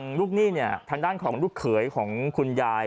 กลับมาพร้อมขอบความ